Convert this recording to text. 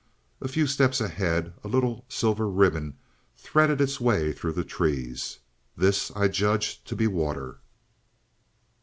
A few steps ahead a little silver ribbon threaded its way through the trees. This I judged to be water.